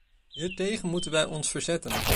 Hiertegen moeten wij ons verzetten.